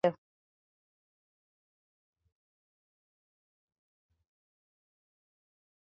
Smith was selected as an All American in both his junior and senior years.